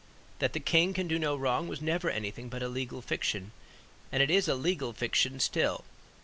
That the king can do no wrong was never anything but a legal fiction; and it is a legal fiction still.